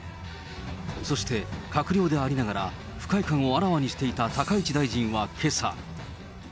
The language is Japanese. そして、閣僚でありながら、不快感をあらわにしていた高市大臣はけさ。